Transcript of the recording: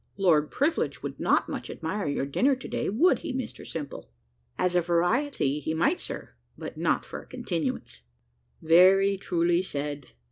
Lord Privilege would not much admire your dinner to day, would he, Mr Simple?" "As a variety he might, sir, but not for a continuance." "Very truly said.